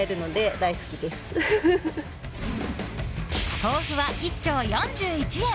豆腐は１丁４１円。